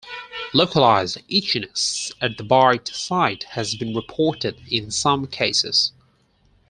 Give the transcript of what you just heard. Localized itchiness at the bite site has been reported in some cases.